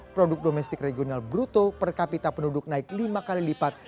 produk domestik regional bruto per kapita penduduk naik lima kali lipat